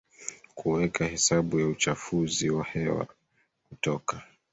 kuweka hesabu ya uchafuzi wa hewa kutoka